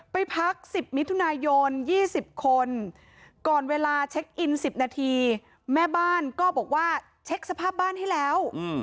ไปพัก๑๐มิถุนายน๒๐คนก่อนเวลาเช็คอิน๑๐นาทีแม่บ้านก็บอกว่าเช็คสภาพบ้านให้แล้ว